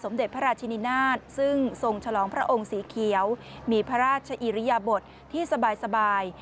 เด็จพระราชนินาศซึ่งทรงฉลองพระองค์สีเขียวมีพระราชอิริยบทที่สบาย